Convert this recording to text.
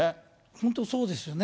本当そうですよね。